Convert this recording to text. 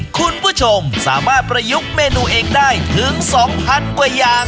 คุณผู้ชมสามารถประยุกต์เมนูเองได้ถึง๒๐๐กว่าอย่าง